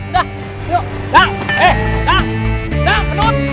dang eh dang